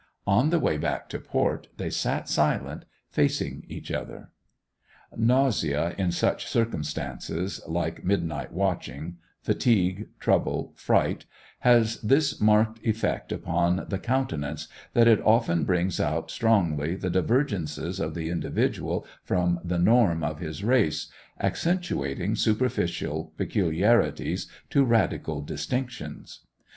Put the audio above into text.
On the way back to port they sat silent, facing each other. Nausea in such circumstances, like midnight watching, fatigue, trouble, fright, has this marked effect upon the countenance, that it often brings out strongly the divergences of the individual from the norm of his race, accentuating superficial peculiarities to radical distinctions.